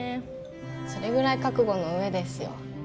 それぐらい覚悟の上ですよ